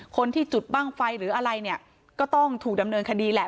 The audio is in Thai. คนที่จุดบ้างไฟหรืออะไรเนี่ยก็ต้องถูกดำเนินคดีแหละ